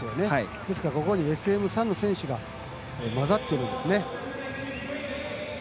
ですから、ここにＳＭ３の選手が交ざってるんですね。